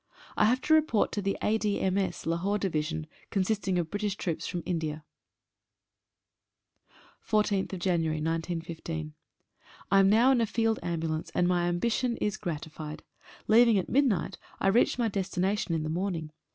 I have to report to the A.D.M.S., Lahore Division, consisting of British troops from India. «> H •$> 14/1/15. JAM now in a field ambulance, and my ambition i< gratified. Leaving at midnight I reached my des tination in the morning.